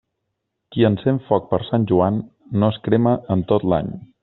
Qui encén foc per Sant Joan, no es crema en tot l'any.